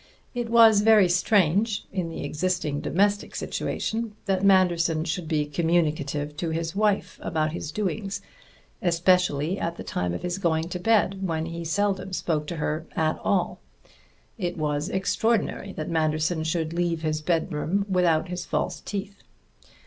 It was very strange, in the existing domestic situation, that Manderson should be communicative to his wife about his doings, especially at the time of his going to bed, when he seldom spoke to her at all. It was extraordinary that Manderson should leave his bedroom without his false teeth.